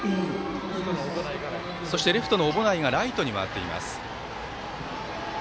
そして、レフトの小保内がライトに回っています。